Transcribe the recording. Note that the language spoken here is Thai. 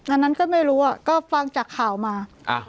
อันนั้นก็ไม่รู้ก็ฟังจากข่าวมา